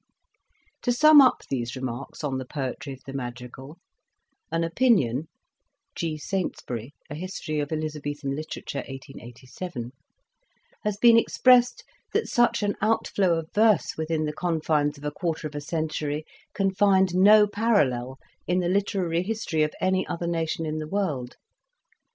To sum up these remarks on the poetry of the madrigal, an opinion * has been expressed * G. Saintsbury, "A History of Elizabethan Liter ature," 1887. 16 Introduction. that such an outflow of verse within the con fines of a quarter of a century can find no parallel in the literary history of any other nation in the world.